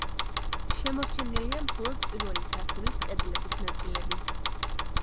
შემორჩენილია მხოლოდ პირველი სართულის კედლების ნაწილები.